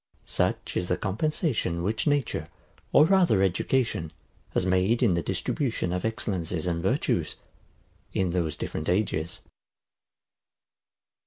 Such is the compensation, which nature, or rather education, has made in the distribution of excellencies and virtues, in those different ages.